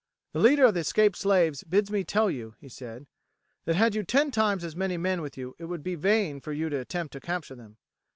"The leader of the escaped slaves bids me tell you," he said, "that had you ten times as many men with you it would be vain for you to attempt to capture them.